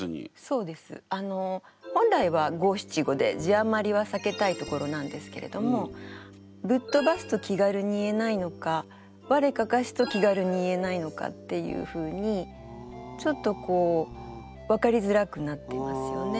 あの本来は五・七・五で字余りはさけたいところなんですけれども「ぶっとばす」と気軽に言えないのか「我れ案山子」と気軽に言えないのかっていうふうにちょっと分かりづらくなっていますよね。